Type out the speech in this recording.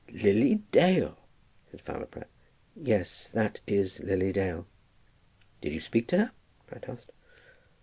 "Lily Dale!" said Fowler Pratt. "Yes; that is Lily Dale." "Did you speak to her?" Pratt asked.